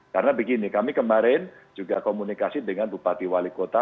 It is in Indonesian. karena begini kami kemarin juga komunikasi dengan bupati wali kota